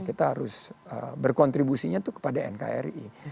kita harus berkontribusinya itu kepada nkri